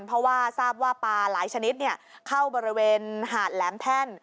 เพราะว่าทราบว่าปลาหลายชนิดเข้าบริเวณหาดแหลมแท่น